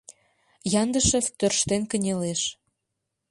— Яндышев тӧрштен кынелеш.